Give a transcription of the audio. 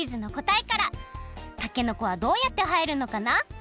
たけのこはどうやってはえるのかな？